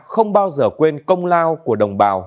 không bao giờ quên công lao của đồng bào